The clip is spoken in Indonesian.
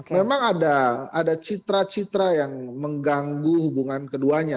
memang ada citra citra yang mengganggu hubungan keduanya